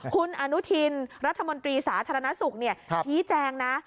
คุณอนุทินรัฐมนตรีสาธารณสุขชี้แจงนะ